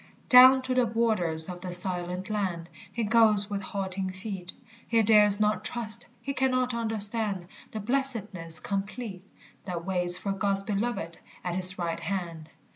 Down to the borders of the silent land He goes with halting feet; He dares not trust; he cannot understand The blessedness complete That waits for God's beloved at his right hand.